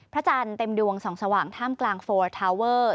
จันทร์เต็มดวงส่องสว่างท่ามกลางโฟลทาเวอร์